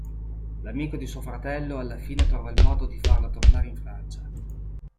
L'amico di suo fratello, alla fine trova il modo di farla tornare in Francia.